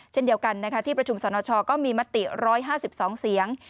เช่นเดียวกันนะคะที่ประชุมสอนชอก็มีมติร้อยห้าสิบสองเสียง